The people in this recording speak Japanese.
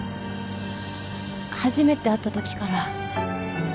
初めて会った時から